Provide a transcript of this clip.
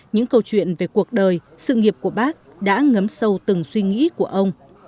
những câu chuyện về cuộc đời sự nghiệp của bác đã ngấm sâu từng suy nghĩ của ông